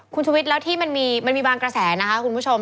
คุณชุวิตแล้วที่มันมีบางกระแสนะคะคุณผู้ชม